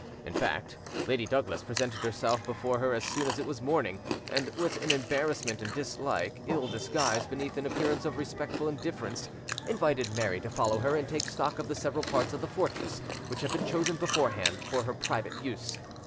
In fact, Lady Douglas presented herself before her as soon as it was morning, and with an embarrassment and dislike ill disguised beneath an appearance of respectful indifference, invited Mary to follow her and take stock of the several parts of the fortress which had been chosen beforehand for her private use.